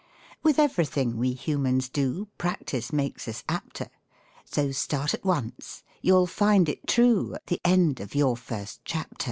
With everything we humans do, Practice makes us apter: So start at once, you'll find it true At the end of your first chapter.